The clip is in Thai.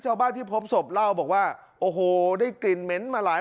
ชาวบ้านที่พบศพเล่าบอกว่าโอ้โหได้กลิ่นเหม็นมาหลาย